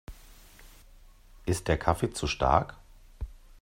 Ist der Kaffee zu stark?